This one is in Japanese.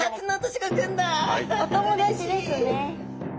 お友達ですね。